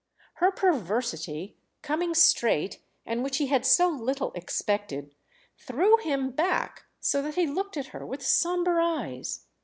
Her perversity, coming straight and which he had so little expected, threw him back so that he looked at her with sombre eyes.